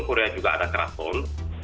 korea juga ada kraton